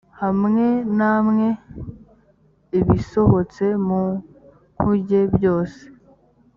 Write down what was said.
hamwe namwe ibisohotse mu nkuge byose